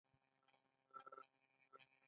زما کلاوډ بیک اپ هره ورځ جوړېږي.